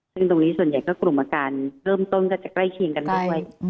ซึ่งตรงนี้ส่วนใหญ่ก็กลุ่มอาการเริ่มต้นก็จะใกล้เคียงกันด้วย